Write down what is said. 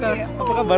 gak tau apa kabar